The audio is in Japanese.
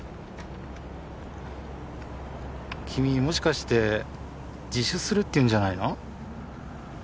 君もしかして自首するっていうんじゃないの？